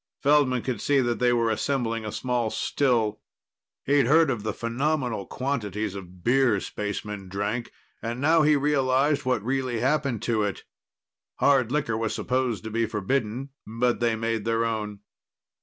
Feldman could see that they were assembling a small still. He'd heard of the phenomenal quantities of beer spacemen drank, and now he realized what really happened to it. Hard liquor was supposed to be forbidden, but they made their own.